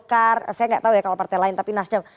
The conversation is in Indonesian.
saya tidak tahu ya kalau partai lain tapi nas dpr